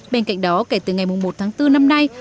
bên cạnh đó kể từ ngày một tháng bốn năm nay